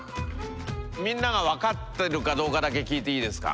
みんながわかってるかどうかだけ聞いていいですか？